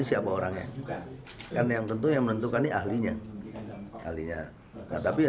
tapi yang pasti menentukan atas problemnya rasulullah ya